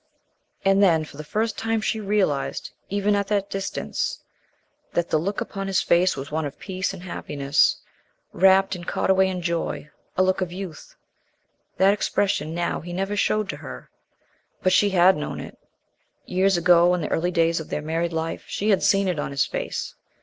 And then for the first time she realized, even at that distance, that the look upon his face was one of peace and happiness rapt, and caught away in joy, a look of youth. That expression now he never showed to her. But she had known it. Years ago, in the early days of their married life, she had seen it on his face.